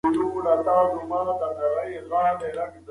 که موږ تاریخ ونه لولو نو په تېرو تېروتنو به پوه نسو.